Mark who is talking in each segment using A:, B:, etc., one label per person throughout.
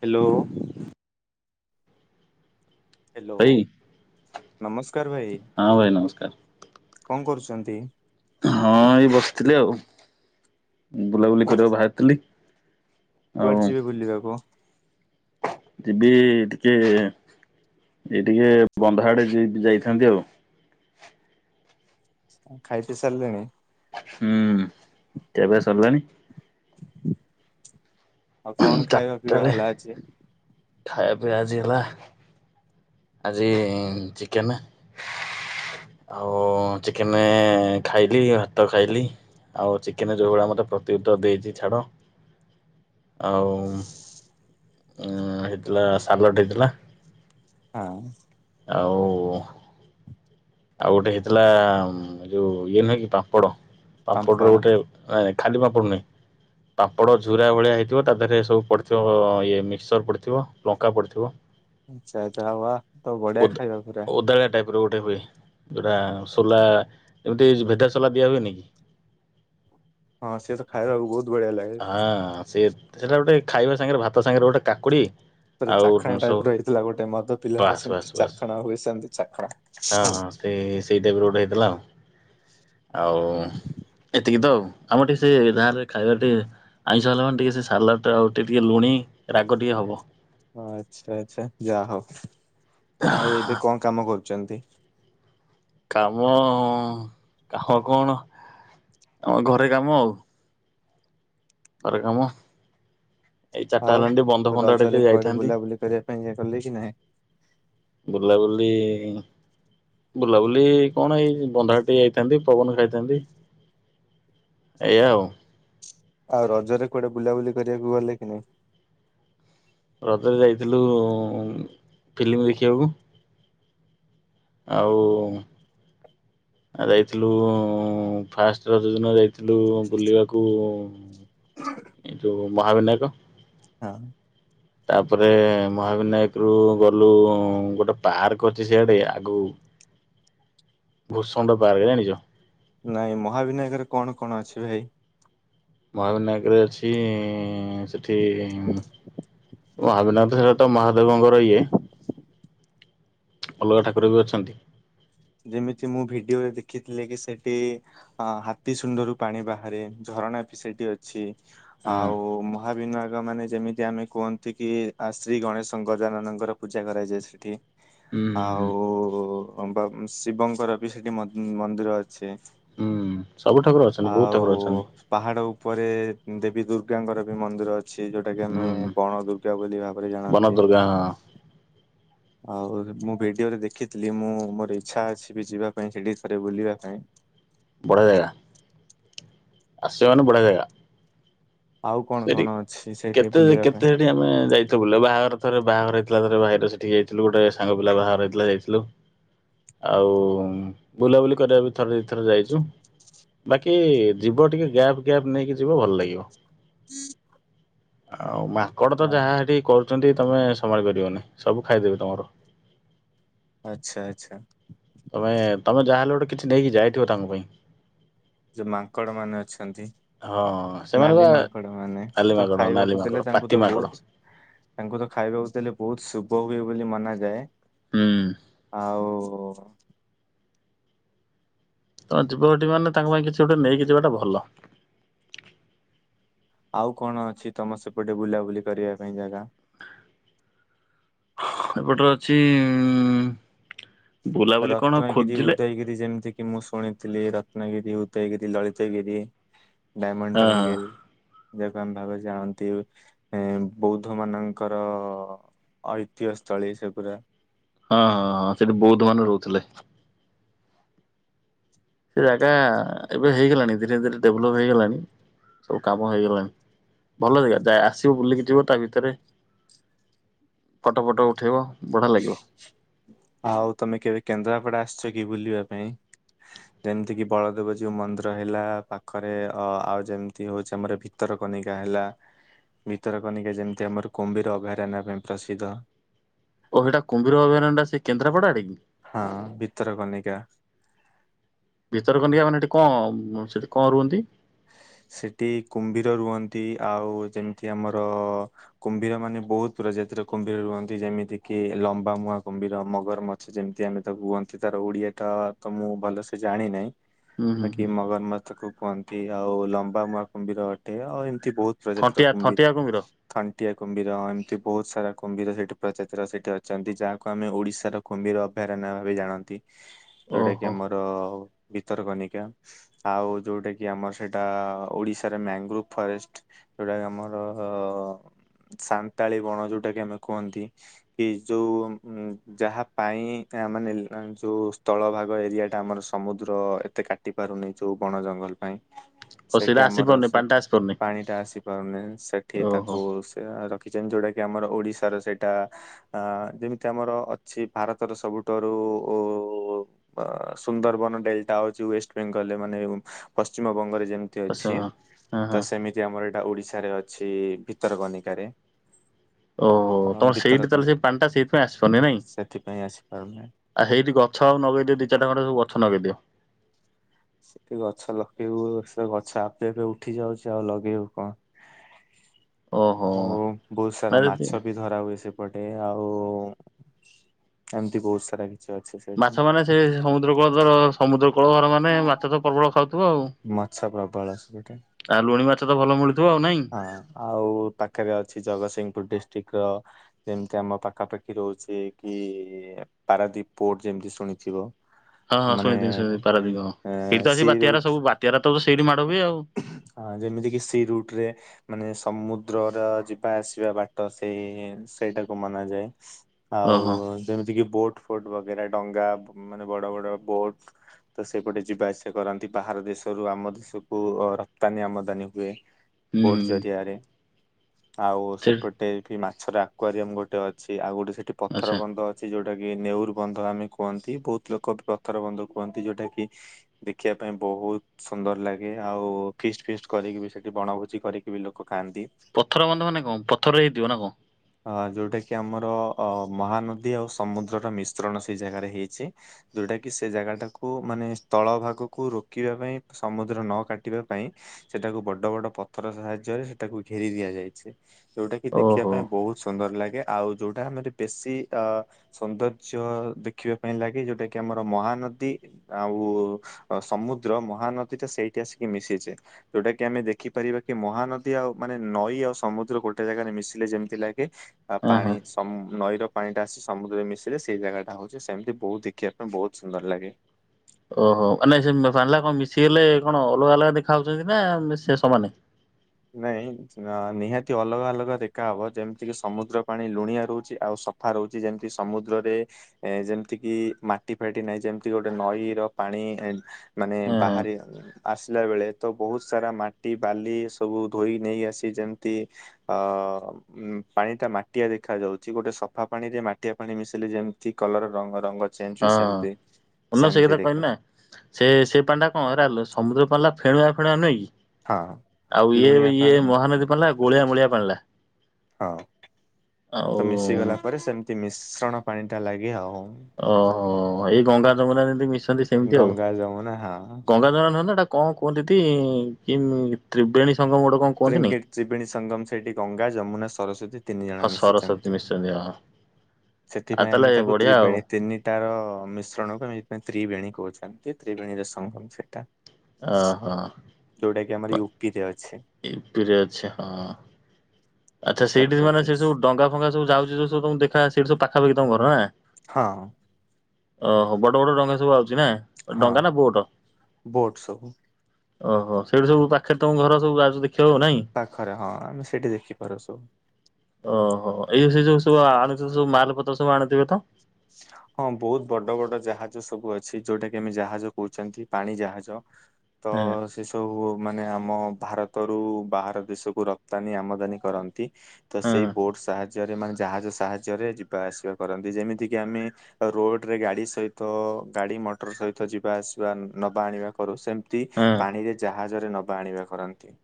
A: Hello. Hello.
B: ଭାଇ
A: ନମସ୍କାର ଭାଇ।
B: ହଁ ଭାଇ ନମସ୍କାର
A: କଣ କରୁଛନ୍ତି?
B: ହଁ ଏଇ ବସିଥିଲି ଆଉ। ବୁଲାବୁଲି କରିବାକୁ ବାହାରିଥିଲି। ଆଉ
A: କୁଆଡ଼େ ଯିବେ ବୁଲିବାକୁ?
B: ଯିବି ଟିକେ ଏଇ ଟିକେ ବନ୍ଧ ଆଡ଼େ ଯ ଯାଇଥାନ୍ତି ଆଉ।
A: ଖାଇ ପିଇ ସାରିଲେଣି?
B: ହୁଁ କେବେ ସରିଲାଣି?
A: ଆଉ କଣ ଖାଇବା
B: ଚାରିଟା
A: ପିଇବା
B: ବେଳେ
A: ହେଲା ଆଜି?
B: ଖାଇବା ପିଆ ଆଜି ହେଲା ଆଜି ଚିକେନ୍। ଆଉ ଚିକେନେ ଖାଇଲି, ଭାତ ଖାଇଲି। ଆଉ ଚିକେନ ଯୋଉ ଭଳିଆ ମତେ ପ୍ରତି ଉତର ଦେଇଛି ଛାଡ଼। ଆଉ ହେଇଥିଲା ସାଗଟେ ହେଇଥିଲା।
A: ହଁ।
B: ଆଉ ଆଉ ଗୋଟେ ହେଇଥିଲା ଏ ଯୋଉ ଇଏ ନୁହେଁ କି ପାମ୍ପଡ଼, ପାମ୍ପଡ଼ ର ଗୋଟେ ନାଇଁ ଖାଲି ପାମ୍ପୁଡ଼ ନାହିଁ। ପାମ୍ପଡ଼ ଝୁରା ଭଳିଆ ହେଇଥିବ ତା ଦେହରେ ସବୁ ପଡ଼ିଥିବ ଇଏ ମିକ୍ସଚର ପଡ଼ିଥିବ, ଲଙ୍କା ପଡ଼ିଥିବ।
A: ଆଚ୍ଛା ଆଚ୍ଛା। ଆଉ ୱା ତ ବଢି଼ଆ ଖାଇବା ପୁରା।
B: କୁକୁର ଗୋଟେ ହୁଏ। ଯୋଉଟା ସୋଲା ଏମିତି ଭେଦା ସୋଲା ଦିଆ ହୁଏନି କି?
A: ହଁ ସେ ତ ଖାଇବାକୁ ବହୁତ୍
B: ହଁ ସେ ସେଟା ଗୋଟେ ଖାଇବା ସାଙ୍ଗରେ ଭାତ ସାଙ୍ଗରେ ଗୋଟେ କାକୁଡି଼
A: ପ ଚାଖଣା ଟାଇପ ର ହେଇଥିଲା ଗୋଟେ ମଦ ପିଲାରେ
B: ବାସ୍ ବାସ୍
A: ସେମିତି
B: ବାସ୍
A: ଚାଖଣା ହୁଏ ସେମିତି ଚାଖଣା।
B: ସେଇ ସେଇ ଟାଇପ୍ ର ଗୋଟେ ହେଇଥିଲା ଆଉ। ଆଉ ଏତିକି ତ ଆଉ। ଆମର ଟିକେ ସେ ଗାଁ ରେ ଖାଇବା ଟିକେ ଆଇଁଷ ହେଲା ମାନେ ଟିକେ ସେ ସାଲାଡ଼୍ ଆଉ ଟିକେ ଟିକ ଲୁଣି ରାଗ ଟିକେ ହବ।
A: ଆଚ୍ଛା ଆଚ୍ଛା ଯାହ ହଉ। ଆଉ ଏବେ କଣ କାମ କରୁଛନ୍ତି?
B: କାମ କାମ କଣ ଆମ ଘରେ କାମ ଆଉ। ଘରେ କାମ। ଏଇ ଚାରିଟା
A: ଆଉ
B: ହେଲାଣି ଟିକେ ବନ୍ଧ ଫନ୍ଧ ଆଡ଼େ
A: ରଜରେ
B: ଟିକେ
A: କୁଆଡେ
B: ଯାଇଥାନ୍ତି।
A: ବୁଲାବୁଲି କରିବା ପାଇଁ ଗଲେ କି ନାହିଁ?
B: ବୁଲାବୁଲି ବୁଲାବୁଲି କଣ ଏଇ ବନ୍ଧ ଆଡ଼େ ଟେ ଯାଇଥାନ୍ତି, ପବନ ଖାଇଥାନ୍ତି। ଏଇଆ ଆଉ।
A: ଆଉ ରଜରେ କୁଆଡେ ବୁଲାବୁଲି କରିବାକୁ ଗଲେ କି ନାଇଁ?
B: ରଜରେ ଯାଇଥିଲୁ ଫିଲିମି ଦେଖିବାକୁ। ଆଉ ଆ ଯାଇଥିଲୁ ଫାଷ୍ଟ ରଜ ଦିନ ଯାଇଥିଲୁ ବୁଲିବାକୁ ଏଇ ଯୋଉ ମହାବିନାୟକ।
A: ହଁ।
B: ତାପରେ ମହାବିନାୟକ ରୁ ଗଲୁ ଗୋଟେ ପାର୍କ ଅଛି ସେଆଡ଼େ, ଆଗକୁ।
A: [inaudible]
B: ଭୂଷଣ୍ଡ ପାର୍କ ଜାଣିଚ?
A: ନାଇଁ ମହାବିନାୟକରେ କଣ କଣ ଅଛି ଭାଇ?
B: ମହାବିନାୟକରେ ଅଛିଁ ସେଠି ମହାବିନାୟକ ତ ସେଟା ତ ମହାଦେବଙ୍କର ଇଏ। ଅଲଗା ଠାକୁର ବି ଅଛନ୍ତି।
A: ଯେମିତି ମୁଁ ଭିଡ଼ିଓରେ ଦେଖିଥିଲି କି ସେଠି ଅ ହାତୀ ସୁଣ୍ଢରୁ ପାଣି ବାହାରେ ଝରଣା ବି ସେଇଠି ଅଛି
B: ହଁ
A: ଆଉ ମହା ହାବିନାୟକ ମାନେ ଯେମିତି ଆମେ କୁହନ୍ତି କି ଶ୍ରୀ ଗଣେଶ ଗଜାନନଙ୍କର ପୂଜା କରାଯାଏ ସେଠି।
B: ହୁଁ
A: ଆଉ ବା ଶିବଙ୍କର ବି ସେଠି ମ ମନ୍ଦିର ଅଛି।
B: ହୁଁ ହୁଁ ସବୁଠାର ଅଛନ୍ତି ବହୁତ ଠାକୁର ଅଛନ୍ତି।
A: ପାହାଡ଼ ଉପରେ ଦେବୀ ଦୁର୍ଗାଙ୍କର ବି ମନ୍ଦିର ଅ ଛି ଯୋଉଟା କି ଆମେ ବଣ ଦୁର୍ଗା ବୋଲି ଭାବରେ ଜାଣନ୍ତି।
B: ଯା ହଁ।
A: ଆଉ ମୁଁ ଭିଡ଼ିଓରେ ଦେଖିଥିଲି ମୁଁ ମୋର ଇଚ୍ଛା ଅଛି ବି ଯିବା ପାଇଁ ସେଠି ଥରେ ବୁଲିବା ପାଇଁ।
B: ବଡ଼ ଜାଗା। ଆସିବ ମାନେ ବଢ଼ିଆ ଜାଗା।
A: ଆଉ କଣ କଣ ଅଛି ସେଇଠି ବୁଲିବା ପାଇଁ?
B: ଦି ଆମେ ଯାଇଥୁ ବୁଲା ବାହାଘର ଥରେ ବାହାଘର ହେଇଥିଲା ଥରେ ବାହରେ ସେଠି ଯାଇଥିଲୁ ଗୋଟେ ସାଙ୍ଗ ପିଲା ବାହାଘର ହେଇଥିଲା ଯାଇଥିଲୁ। ଆଉ ବୁଲାବୁଲି କରିବା ବି ଥରେ ଦି ଥର ଯାଇଚୁ। ବାକି ଯିବ ଟିକେ ଗ୍ୟାପ୍ ଗ୍ୟାପ୍ ନେଇକି ଯିବ ଭଲ ଲାଗିବ। ଆଉ ମାଙ୍କଡ଼ ତ
A: ହଁ।
B: ଯାହା ହେଠି କରୁଚନ୍ତି ତମେ ସମାଳି ପାରିବନେଇ ସବୁ ଖାଇଦେବେ ତମର।
A: ଆଚ୍ଛା ଆଚ୍ଛା।
B: ତମେ ତମେ ଯାହା ହେଲେ ଗୋଟେ କିଛି ନେଇକି ଯାଇଥିବ ତାଙ୍କ ପାଇଁ।
A: ଯେ ମାଙ୍କଡ଼ମାନେ ଅଛନ୍ତି।
B: ହଁ ସେମାନେ
A: ନାଲି
B: ବା
A: ମାଙ୍କଡ଼ମାନେ
B: ନାଲି
A: ତ
B: ମାଙ୍କଡ଼ ନାଲି
A: ଖାଇବାକୁ
B: ମାଙ୍କଡ଼
A: ଦେଲେ ତାଙ୍କୁ
B: ପାତି
A: ତ
B: ମାଙ୍କଡ଼
A: ବହୁତ ତାଙ୍କୁ ତ ଖାଇବାକୁ ଦେଲେ ବହୁତ ଶୁଭ ହୁଏ ବୋଲି ମନାଯାଏ।
B: ହୁଁ।
A: ଆଉ
B: ତ ଯିବ ହେଠି ମାନେ ତାଙ୍କ ପାଇଁ କିଛି ଗୋଟେ ନେଇକି ଯିବାଟା ଭଲ।
A: ଆଉ କଣ ଅଛି ତମ ସେପଟେ ବୁଲାବୁଲି କରିବା ପାଇଁ ଜାଗା?
B: ଏପଟରେ ଅଛି ଉମ୍
A: ରତ୍ନଗିରି ଉଦୟଗିରି ଯେମତି କି ମୁଁ ଶୁଣିଥିଲି ରତ୍ନଗିରି ଉଦୟଗିରି ଲଳିତଗିରି। ଡାଇମଣ୍ଡ
B: ହଁ ହଁ
A: ଟ୍ରାଙ୍ଗେଲ୍। ଦେବାମ୍ ଭାବେ ଯାଆନ୍ତି ଏଁ ବୌଦ୍ଧମାନଙ୍କର ଐତିହ୍ୟ ସ୍ଥଳୀ ସେ ପୁରା।
B: ହଁ ହଁ ହଁ ସେଠି ବୌଦ୍ଧମାନେ ରହୁଥିଲେ। ସେ ଜାଗା ଏବେ ହେଇ ଗଲାଣି ଧୀରେ ଧୀରେ ଡେଭଲପ୍ ହେଇ ଗଲାଣି ସବୁ କାମ ହେଇ ଗଲାଣି। ଭଲ ଜାଗା ଯା ଆସିବ ବୁଲିକି ଯିବ ତା ଭିତରେ। ଫଟ ଫଟ ଉଠେଇବ ବଢ଼ିଆ ଲାଗିବ।
A: ଆଉ ତମେ କେବେ କେନ୍ଦ୍ରାପଡ଼ା ଆସିଚ କି ବୁଲିବା ପାଇଁ? ଯେମତି କିି ବଳଦେବ ଜୀଉ ମନ୍ଦିର ହେଲା ପାଖରେ ଅ ଆଉ ଯେମତି ହଉଚି ଆମର ଭି ତରକନିକା ହେଲା ଭିତରକନିକା ଯେମତି ଆମର କୁମ୍ଭୀର ଅଭୟାରଣ୍ୟ ପାଇଁ ପ୍ରସିଦ୍ଧ।
B: ଓ ହେଟା କୁମ୍ଭୀର ଅଭୟାରଣ୍ୟଟା ସେ କେନ୍ଦ୍ରାପଡ଼ା ଆଡ଼େକି?
A: ହଁ ଭିତରକନିକା।
B: ଭିତରକନିକା ମାନେ ହେଠି କଣ, ସେଠି କଣ ରୁହନ୍ତି?
A: ସେଠି କୁମ୍ଭୀର ରୁହନ୍ତି, ଆଉ ଯେମିତି ଆମର କୁମ୍ଭୀର ମାନେ ବହୁତ ପ୍ରଜାତିର କୁମ୍ଭୀର ରୁହନ୍ତି, ଯେମିତି କିି ଲମ୍ବା ମୁହାଁ କୁମ୍ଭୀର, ମଗରମ୍ ଯେମିତି ଆମେ ତାକୁ କୁହନ୍ତି, ତାର ଓଡିଆ ଟା ତ ମୁଁ ଭଲସେ ଜାଣିିନାହିଁ
B: ହୁଁ ହୁଁ ହୁଁ
A: ବାକି ମଗର ମୁହାଁ ତାକୁ କୁହନ୍ତି ଆଉ ଲମ୍ବା ମୁହାଁ କୁମ୍ଭୀର ଅଟେ, ଆଉ ଏମିତି ବହୁତ୍ ପ୍ରଜାତିର
B: ଥଣ୍ଟିଆ
A: କୁମ୍ଭୀର୍
B: ଥଣ୍ଟିଆ କୁମ୍ଭୀର
A: ଥଣ୍ଟିଆ କୁମ୍ଭୀର, ଏମିତି ବହୁତ ସାରା କୁମ୍ଭୀର ସେଠି ପ୍ରଜାତିର ସେଠି ଅଛନ୍ତି, ଯାହାକୁ ଆମେ ଓଡିଶାର କୁମ୍ଭୀର ଅଭୟାରଣ୍ୟ ଭାବେ ଜାଣନ୍ତି। ଯୋଉଟା କି
B: ଓହୋ।
A: ଆମର ଭିତରକନିକା, ଆଉ ଯୋଉଟା କି କି ଆମର ସେଟା ଓଡିଶାରେ ମ୍ୟାଙ୍ଗ୍ରୋ ଫରେଷ୍ଟ, ଯଉଟାକି ଆମର ଅ ସାନ୍ତାଳୀ ବଣ ଯୋଉଟା କି ଆମେ କୁହନ୍ତି କି ଯଉ, ଯାହା ପାଇଁ ମାନେ ଯଉ ସ୍ଥଳ ଭାଗ ଏରିଆଟା ଆମର ସ ସମୁଦ୍ର ଏତେ କାଟି ପାରୁନି, ଯୋଉ ବଣ ଜଙ୍ଗଲ ପାଇଁ।
B: ଓ
A: ସେଠି
B: ସେଇଟା
A: ଆମର
B: ଆସିପାରୁନି
A: ସେଠ
B: ପାଣିଟା ଆସିପାରୁନି
A: ପାଣି ଟା ଆସି ପାରୁନି, ସେଠି
B: ଓହୋ
A: ତାକୁ ସେ ର କି ଯେମିତି ଗୋଟେକି ଆମର, ଓଡିଶା ର ସେଇଟା ଆ ଯେମିତି ଆମର ଅଛି ଭାରତର ସବୁଠାରୁ ଉ-ଉ-ଉ ସୁନ୍ଦରବନ ଡେଲ୍ ଟା ଅଉଛି ୱେଷ୍ଟବେଙ୍ଗଲରେ ମାନେ ପଶ୍ଚିମବଙ୍ଗରେ ଯେମିତି
B: ଆଚ୍ଛା।
A: ଅଛି,
B: ହଁ
A: ତ
B: ହଁ
A: ସେମିତି ଯେ ଆମର ଏଇଟା ଓଡିଶାରେ ଅଛି, ଭିତରକନିକାରେ
B: ଓହୋ, ତମର ସେଇଠି
A: ଭିତରକନ
B: ତାହେଲେ ସେଇ ପାଣି ଟା ସେଇଥିପାଇଁ ଆସିିପାରୁନି ନାଇଁ?
A: ସେଥିପାଇଁ ଆସିପାରୁନାହିଁ।
B: ଆ ହେଇଠି ଗଛ ଆଉ ନଗେଇଦିଅ ଦି ଚାରିଟା ଖଣ୍ଡେ, ସବୁ ଗଛ ନଗେଇଦିଅ।
A: ସେଠି ଗଛ ଲଗେଇବୁ, ସେ ଗଛ ଆପେ ଆପେ ଉଠି ଯାଉଚି, ଆଉ ଲଗେଇବୁ କଣ?
B: ଓହୋ
A: ଆଉ ବହୁତ
B: ନା
A: ସାରା
B: ଯଦି
A: ମାଛ ବି ଧରା ହୁଏ ସେପଟେ ଆଉ ଏମିତି ବହୁତ ସାରା କି
B: ମାଛ ମାନେ ସେ ସମୁଦ୍ର କୂଳ ତରସ୍ ସମୁଦ୍ର କୂଳ ଘର ମାନେ, ମାଛ ତ ପ୍ରବଳ ଖାଉଥିବ ଆଉ?
A: ମାଛ ପ୍ରବଳ ସେପଟେ
B: ଆଉ ଲୁଣି ମାଛ ତ ଭଲ ମିଳୁଥିବ ଆଉ ନାଇଁ?
A: ହଁ, ଆଉ ପାଖରେ ଅଛି ଜଗତସିଂହପୁର ଡିଷ୍ଟ୍ରିକ୍ଟର ଯେମତି ଆମ ପାଖାପାଖି ରହୁଛି କି, ପାରାଦୀପ ପୋର୍ଟ ଯେମିତି ଶୁଣିଥିବ?
B: ହଁ ହଁ
A: ମାନେ
B: ଶୁଣିଥିଲି ଶୁଣିନ୍ତି ପରାଦୀପ୍ ହଁ, ଏଇଠି ତ ଆସିକି
A: ସି
B: ବାତ୍ୟାରା,
A: ରୁଟ
B: ସବୁ ବାତ୍ୟାରା ତ ସବୁ ସେଇଠି ମାଡ଼ ହୁଏ ଆଉ।
A: ହଁ ଯେମିତି କିି, ସି ରୁଟ୍ ରେ ମାନେ ସମୁଦ୍ରର ଯିବା ଆସିବା ବାଟ ସେଇ, ସେଇଟାକୁ ମନାଯାଏ।
B: ଓହୋ
A: ଆଉ ଯେମିତି କିି ବୋଟ୍ ଫୋଟ୍ ବଗେରା, ଡଙ୍ଗା ମାନେ ବଡ଼ ବଡ଼ ବୋଟ୍ ତ ସେପଟେ ଯିବା ଆସିବା କରନ୍ତି, ବାହାର ଦେଶ୍ ଦେଶରୁ ଆମ ଦେଶକୁୁ, ରପ୍ତାନୀ ଆମଦାନୀ ହୁଏ,
B: ହୁଁ
A: ବୋଟ୍
B: ହୁଁ।
A: ଜରିଆରେ। ଆଉ
B: ସେଇଠି
A: ସେପଟେ ବି ମାଛର ଆକ୍ୱାରିୟମ୍ ଗୋଟେ ଅଛି, ଆଉ ଗୋଟେ ସେଠି ପଥର
B: ଆଚ୍ଛା
A: ବନ୍ଦ ଅ ଛି ଯୋଉଟା କି ନେଉରୁ ବନ୍ଧ ଆମେ କୁହନ୍ତି, ବହୁତ୍ ଲୋକ ପ୍ରଥର ବନ୍ଧ କୁହନ୍ତି, ଯୋଉଟା କି ଦେଖିବା ପାଇଁ ବହୁତ୍ ସୁନ୍ଦର ଲାଗେ, ଆଉ ଫିଷ୍ଟ୍ ଫିଷ୍ଟ୍ କରିକି ବି ସେଠି ବଣଭୋଜି କରିକି ବି ଲୋକ ଖାଆନ୍ତି।
B: ପଥର ବନ୍ଧ ମାନେ କଣ, ପଥରରେ ହେଇଥିବ ନା କଣ?
A: ଅ ଯୋଉଟା କିି ଆମର ମହାନଦୀ ଆଉ ସମୁଦ୍ରର ମିଶ୍ରଣ ସେଇ ଜାଗାରେ ହେଇଚି। ଯୋଉଟା କିି ସେ ଜାଗା ଟାକୁ, ମାନେ ସ୍ଥଳ ଭାଗକୁ ରୋକିବା ପାଇଁ ସମୁଦ୍ର ନ କାଟିବା ପାଇଁ ସେଟାକୁ ବଡ଼ ବଡ଼ ପଥର ସାହାଯ୍ୟରେ ସେଟାକୁ ଘେରି ଦିଆଯାଇଛି, ଯୋଉଟା କି ଦେଖିବା
B: ଓହୋ
A: ବହୁତ୍ ସୁନ୍ଦର ଲାଗେ ଆଉ ଯୋଉଟା ଆମର ବେଶୀ ଅ ସୌନ୍ଦର୍ଯ୍ୟ ଦେଖିବା ପାଇଁ ଲାଗେ, ଯୋଉଟା କି ଆମର ମହାନଦୀ ଆଉ-ଉ-ଉ-ଉ ସମୁଦ୍ର ମହାନଦୀ ଟା ସେଇଠି ଆସିକି ମିଶିଚେ। ଯୋଉଟା କି ଆମେ ଦେଖିପାରିବା କି ମହାନଦୀ ଆଉ ମାନେ ନଈ ଆଉ ସମୁଦ୍ର ଗୋଟେ ଜାଗାରେ ମିଶିଲେ ଯେମି ଥିଲା କି ଆ
B: ହଁ
A: ପାଣି
B: ହଁ।
A: ସମ୍ ନଈ ର ପାଣିଟା ଆସି ସମୁଦ୍ରରେ ମିଶିଲେ ସେଇ ଜାଗାଟା ହେଉଚି ସେମିତି ବହୁତ୍ ଦେଖିବା ପାଇଁ ବହୁତ୍ ସୁନ୍ଦର ଲାଗେ।
B: ଓହୋ ମାନେ ସେ ପାଣିରା କଣ ମିଶିଗଲେ କଣ ଅଲଗା ଅଲଗା ଦେଖା ହଉଚନ୍ତି ନା ସେ ସମାନେ?
A: ନାଇଁ ଅ ନିହାତି ଅଲଗା ଅଲଗା ଦେଖା ହବ ଯେମିତି କିି ସମୁଦ୍ର ପାଣି ଲୁଣିଆ ରହୁଚି ଆଉ ସ ଫା ରହୁଚି ଯେମିତି ସମୁଦ୍ରରେ ଏ ଯେମିତି କିି ମାଟି ଫାଟି ନାହିଁ ଯେମିତି ଗୋଟେ ନଈ ର ପାଣି ଏ ମାନେ
B: ହଁ ହଁ
A: ବାହାରି ଆସିଲା ବେଳେ ତ ବହୁତ୍ ସାରା ମାଟି, ବାଲି ସବୁ ଧୋଇ ନେଇ ଆସି ଯେମିତି ଅ-ଅ-ଅ ଉଁ ପାଣି ଟା ମାଟିଆ ଦେଖା ଯାଉଚି ଗୋଟେ ସଫା ପାଣିରେ ମାଟିଆ ପାଣି ମିଶିଲେ ଯେମିତି କଲର୍ ରଙ୍ଗ ରଙ୍ଗ ଚେଜୁ ସେମିତି
B: ହଁ ମୁଁ ସେଇ କଥା
A: ସେମିତି
B: କହିଲି ନା।
A: ଦେଖାଯିବ।
B: ସେ ସେ ପାଣିଟା କଣ ହେରା ସମୁଦ୍ର [unintelligible] ପାଣିଟା ଫେଣୁଆ ଫେଣୁଆ ନୁହଁ କି?
A: ହଁ
B: ଆଉ ଇଏ
A: ଲୁଣିଆ
B: ଇଏ
A: ପାଣି
B: ମହାନଦୀ ପାଲା ଗୋଳିଆ ମୂଳିଆ ପାଣିଲା।
A: ହଁ
B: ଆଉ-ଉ-ଉ-ଉ
A: ତି ମିଶ୍ରଣ ପାଣି ଟା ଲାଗେ ଆଉ।
B: ଓହୋ ଏଇ ଗଙ୍ଗା ଜମୁନା ଯେମିତି ମିଶନ୍ତି ସେମିତି ଆଉ
A: ଗଙ୍ଗା ଯମୁନା ହଁ।
B: ଗଙ୍ଗା ଯମୁନା ନୁହନା ହେଟା କଣ କୁହନ୍ତି-ଇ-ଇ-ଇ କି ତ୍ରିବେଣୀ ସଂଙ୍ଗମ ଗୋଟେ କ
A: ତ୍ରିଙ୍ଗିର ତ୍ରିବେଣୀ ସଙ୍ଗମ ସେଠି ଗଙ୍ଗା ଯମୁନା ସରସ୍ୱତୀ ତିନି ଜଣ
B: ହଁ ସରସ୍ଵତୀ
A: ମିଶିଚନ୍ତି
B: ମିଶଛନ୍ତି ହଁ ଆଉ
A: ସେଥିପାଇଁ
B: ତାହେଲେ
A: ଆମେ ତାକୁ
B: ବଢିଆ ଆଉ
A: ତ୍ରିବେଣୀ ତିନି ସେଟାର-ଅ-ଅ-ଅ ମିଶ୍ରଣକୁ ଆମେ ଏଥିପାଇଁ ତ୍ରିବେଣୀ କହୁଛନ୍ତି ତ୍ରିବେଣୀର ସଂଙ୍ଗମ ସେଟା।
B: ଓହୋ।
A: ଯେଉଁଟା କି ଆମର ୟୁ ପି ରେ ଅଛି।
B: ୟୁ ପି ରେ ଅଛି ହଁ। ଆଚ୍ଛା ସେଠି ମାନେ ସେ
A: ଉତ୍ତରପ୍ରଦେଶ।
B: ସବୁ ଡଙ୍ଗା ଫଙ୍ଗା ସବୁ ଯାଉଛି ଯଉ ସବୁମ ଦେଖା ସେଠି ସବୁ ପାଖାପାଖି ତମ ଘର ନା?
A: ହଁ।
B: ଓହୋ ବଡ଼ ବଡ଼ ଡଙ୍ଗା ସବୁ ଆଉଚି ନା
A: ହଁ
B: ଡଙ୍ଗା ନା ବୋଟ୍?
A: ବୋଟ ସବୁ
B: ଓହୋ ସେଇଠି ସବୁ ପାଖରେ ତମ ଘର ସବୁ ଯାଉଚ ଦେଖିବାକୁ ନାଇଁ?
A: ପାଖରେ ହଁ ଆମେ ସେଇଠି ଦେଖିପାରୁ ସବୁ।
B: ଓହୋ ଏଇ ସେ ଯୋଉ ସବୁ ଆ ଆଣୁଚ ସବୁ ମାଲପତ୍ର ସବୁ ଆଣୁଥିବେତ?
A: [unintelligible] ହଁ ବହୁତ୍ ବଡ଼ ବଡ଼ ଜାହାଜ ସବୁ ଅଛି ଯୋଉଟା କି ଆମେ ଜାହାଜ କହୁଛନ୍ତି ପାଣି ଜାହାଜ।
B: ହଁ
A: ତ-ଅ-ଅ-ଅ ସେ ସବୁ-ଉ-ଉ ମାନେ ଆମ ଭାରତରୁ ବାହାର ଦେଶକୁ ରପ୍ତାନୀ ଆମଦାନୀ କରନ୍ତି। ତ
B: ହଁ
A: ସେଇ ବୋଟ୍ ସାହାଯ୍ୟରେ ମାନେ ଜାହାଜ ସାହାଯ୍ୟରେ ଯିବା ଆସିବା କରନ୍ତି ଯେମିତି କିି ଆମେ ରୋଡ଼ ରେ ଗାଡ଼ି ସହିତ-ଅ-ଅ ଗାଡ଼ି ମଟର ସହିତ ଯିବା ଆସିବା ନବା ଆଣିବା କରୁ ସେମତି
B: ହଁ
A: ପାଣିରେ ଜାହାଜରେ ନବା ଆଣିବା କରନ୍ତି।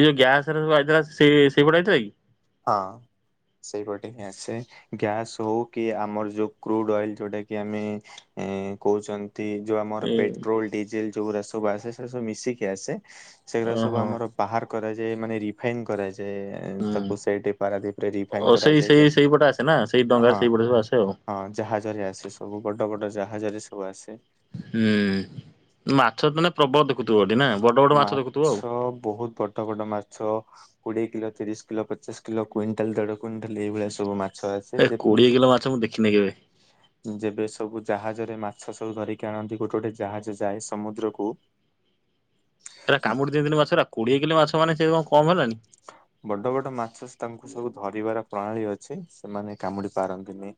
B: ଏଇ ଯୋଉ ଗ୍ୟାସ ରେ [unintelligible] ସେଇ ସେଇପଟେ ଆଇଥିଲା କି?
A: ହଁ। ସେଇପଟେ ହିଁ ଆସେ ଗ୍ୟାସ୍ ହଉ କି ଆମର ଯୋଉ କ୍ରୁଡ ଅଏଲ ଯୋଉଟା କି ଆମେ ଅ-ଅ-ଅ କହୁଛନ୍ତି ଯଉ ଆମର
B: ଏ
A: ପେଟ୍ରୋଲ ଡିଜେଲ ଯଉଗୁଡା ସବୁ ଆସେ ସେ ସବୁ ମିଶିକି ଆସେ ସେଗୁରା ସବୁ
B: ଓହୋ
A: ଆମର ବାହାର କରାଯାଏ ମାନେ ରିଫାଇନ୍ କରାଯାଏ-ଏ-ଏ-ଏ।
B: ହୁଁ।
A: ଓ ସେଇଟି ପାରାଦୀପରେ ରିଫାଇନ୍
B: ଓ ସେଇ
A: କରାଯାଏ
B: ସେଇ
A: ଯେମ୍
B: ସେଇପଟେ ଆସେ ନା ସେଇ ଡଙ୍ଗାରେ
A: ହଁ
B: ସେଇପଟେ ସବୁ ଆସେ ଆଉ
A: ହଁ। ଜାହାଜରେ ଆସେ ସବୁ ବଡ ବଡ ଜାହାଜରେ ସବୁ ଆସେ।
B: ହୁଁ ମାଛ ତ ଏଇନେ ପ୍ରବଳ ଦେଖୁଥିବ ଏଠି ନା ବଡ ବଡ ଦେଖୁଥିବ ଆଉ।
A: ମାଛ ବହୁତ ବଡ ବଡ ମା ମାଛ କୋଡିଏ କିଲୋ, ତିରିଶ କିଲୋ, ପଚାଶ କିଲୋ, କୁଇଣ୍ଟାଲ, ଦେଢ କୁଇଣ୍ଟାଲ ଏଇଭଳିଆ ସବୁ ମା
B: ହେ କୋଡିଏ କିଲୋ ମାଛ ମୁଁ ଦେଖିନି କେବେ।
A: ଯେବେ ସବୁ ଜାହାଜରେ ମାଛ ସବୁ ଧରିକି ଆଣନ୍ତି ଗୋଟେ ଗୋଟେ ଜାହାଜ ଯାଏ ସମୁଦ୍ରକୁ
B: ଏରା କାମୁଡି ଦିଅନ୍ତିନି ମାଛରା କୋଡିଏ କିଲୋ ମାଛ ମାନେ ସେ କମ ହେଲାଣି।
A: [inaudible] ବଡ ବଡ ମାଛ ତାଙ୍କୁ ସବୁ ଧରିବାର ପ୍ରଣାଳୀ ଅଛି ସେମାନେ କାମୁଡି ପାରନ୍ତିନି।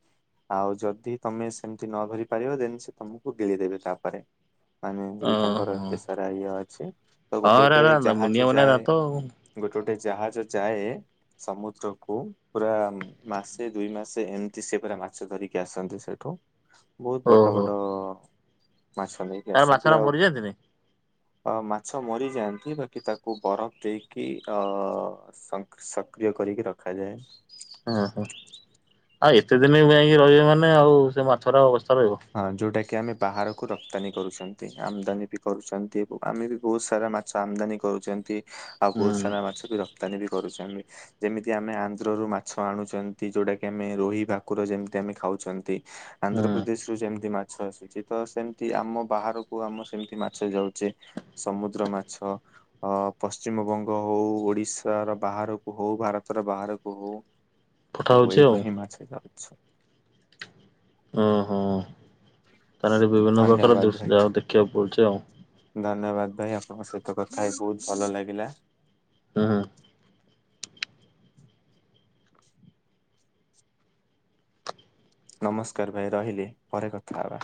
A: ଆଉ ଯଦି ତମେ ସେମିତି ନ ଧରି ପାରିବ ଦେନ ସେ ତମକୁ ଗିଳିଦେବେ ତାପରେ। ମାନେ ଯଦି ତାଙ୍କର
B: ଓହୋ ହଁ
A: ଏତେ ସାରା ଇଏ ଅଛି ତ ଗୋଟେ ଗୋଟେ ଜାହାଜ ଯାଏ
B: ହଉ।
A: ଗୋଟେ ଗୋଟେ ଜାହାଜ ଯାଏ ସମୁଦ୍ରକୁୁ ପୁରା ମାସେ ଦୁଇ ମାସେ ଏମିତି ସେ ପୁରା ମାଛ ଧରିକି ଆସନ୍ତି ସେଠୁ ବହୁତ ବଡ
B: ଓହୋ
A: ବଡ ମାଛ ନେଇକି
B: ତାର
A: ଆସନ୍ତି
B: ମାଛରା
A: ଆଉ
B: ମରିଯାଆନ୍ତିନି?
A: ଅ ମାଛ ମରିଯାଆନ୍ତି, ବାକି ତାକୁ ବରଫ ଦେଇକି ଅ ସଙ୍କ -ସ-ସକ୍ରିୟ କରିକି ରଖାଯାଏ।
B: ହୁଁ ହୁଁ ଆଉ ଏତେ ଦିନ ଯାଇକି ରହିବେ ମାନେ ଆଉ ସେ ମାଛର ଅବସ୍ଥା ରହିବ।
A: ହଁ ଯୋଉଟା କି ଆମେ ବାହାରକୁ ରପ୍ତାନୀ କରୁଛନ୍ତି। ଆମଦାନୀ ବି କରୁଛନ୍ତି ଏବଂ ଆମେ ବି ବହୁତ ସାରା ମା ଛ ଆମଦାନୀ କରୁଛନ୍ତି ଆଉ
B: ହୁଁ
A: ବହୁତ୍ ସାରା ମାଛ ବି ରପ୍ତାନୀ ବି କରୁଛନ୍ତି। ଯେମିତି ଆମେ ଆନ୍ଧ୍ର ରୁ ମାଛ ଆଣୁଛନ୍ତି ଯୋଉଟା କି ଆମେ ରୋହି ଭାକୁର ଯେମିତି ଆମେ ଖାଉଛନ୍ତି।
B: ହୁଁ
A: ଆନ୍ଧ୍ର ପ୍ରଦେ ସେମତି ମାଛ ଆସୁଛି ତ ସେମତି ଆମ ବାହାରକୁ ଆମ ସେମିତି ମାଛ ଯାଉଛେ ସମୁଦ୍ର ମାଛ। ଅ ପଶ୍ଚିମବଙ୍ଗ ହଉ, ଓଡିଶାର ବାହାରକୁ ହଉ, ଭାରତର ବାହାରକୁ ହଉ
B: ପଠା
A: ସବୁ
B: ହଉଛି ଆଉ
A: ଏଇଠୁ ହିଁ ମାଛ ଯାଉଛି।
B: ଓହୋ ତାଲେ ଏଠି ବିଭିନ୍ନ ପ୍ରକାର
A: ଧନ୍ୟବାଦ ଭାଇ।
B: ଦୃସ୍ ଯାହା ଦେଖିବାକୁ ପଡୁଛି ଆଉ।
A: ଧନ୍ୟବାଦ ଭାଇ ଆପଣଙ୍କ ସହିତ କଥା ହେଇ ବହୁତ ଭଲ ଲାଗିଲା।
B: ହୁଁ ହୁଁ।
A: ନମସ୍କାର ଭାଇ ରହିଲି ପରେ କଥା ହେବା।